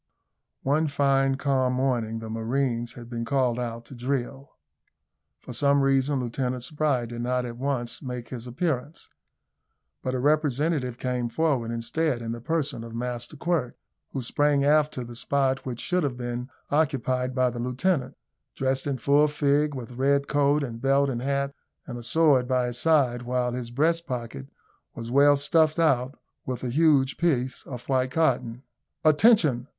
One fine calm morning the marines had been called out to drill. For some reason Lieutenant Spry did not at once make his appearance, but a representative came forward instead in the person of Master Quirk, who sprang aft to the spot which should have been occupied by the lieutenant, dressed in full fig, with red coat and belt and hat, and a sword by his side, while his breast pocket was well stuffed out with a huge piece of white cotton. "Attention!"